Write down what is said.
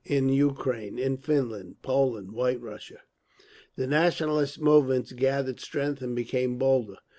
In Ukraine, in Finland, Poland, White Russia, the nationalist movements gathered strength and became bolder.